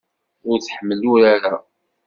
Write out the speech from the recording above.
Ur tḥemmel urar-a.